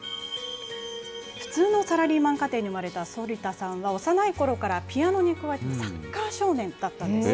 普通のサラリーマン家庭に生まれた反田さんは、幼いころからピアノに加えて、サッカー少年だったんです。